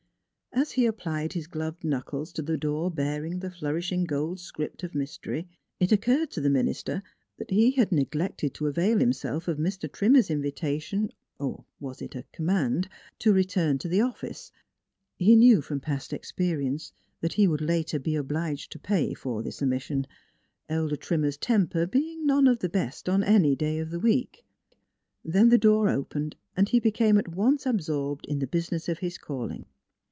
As he applied his gloved knuckles to the door bearing the flourishing gold script of mystery, it occurred to the minister that he had neglected to avail himself of Mr. Trimmer's invi tation or was it a command? to return to the office. He knew from past experience that he would later be obliged to pay for this omission, Elder Trimmer's temper being none of the best on any day of the week. Then the door opened and he became at once absorbed in the business of his calling.